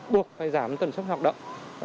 buộc phải giảm tần suất hạt động